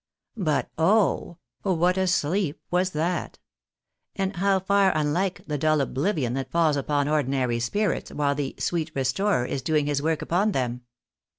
But oh ! what a sleep was that ! and how far un hke the dull oblivion that falls upon ordinary spirits while the " sweet restorer " is doing his work upon them